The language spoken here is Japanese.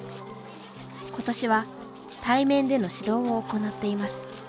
ことしは対面での指導を行っています。